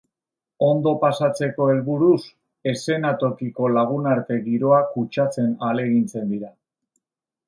Ondo pasatzeko helburuz, eszenatokiko lagunarte giroa kutsatzen ahalegintzen dira.